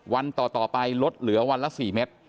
วันต่อไปลดเหลือวันละ๔เมตร